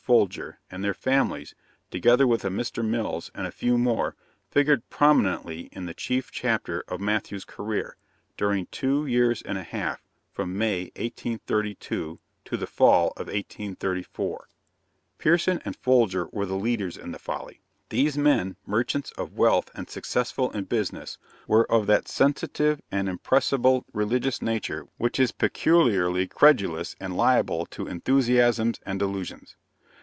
Folger and their families, together with a Mr. Mills and a few more, figured prominently in the chief chapter of Matthews' career, during two years and a half, from May, 1832, to the fall of 1834. Pierson and Folger were the leaders in the folly. These men, merchants of wealth and successful in business, were of that sensitive and impressible religious nature which is peculiarly credulous and liable to enthusiasms and delusions.